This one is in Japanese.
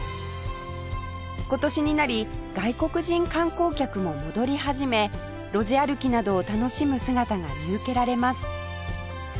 今年になり外国人観光客も戻り始め路地歩きなどを楽しむ姿が見受けられます